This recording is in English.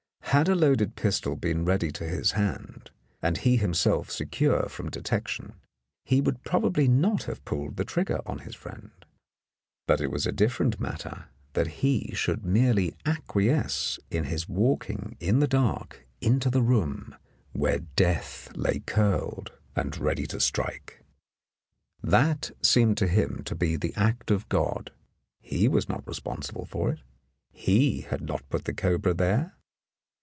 Had a loaded pistol been ready to his hand, and he himself secure from detection, he would prob ably not have pulled the trigger on his friend, but it was a different matter that he should merely acquiesce in his walking in the dark into the room where death lay curled and ready to strike. That seemed to him to be the act of God ; he was not responsible for it, he had not put the cobra there.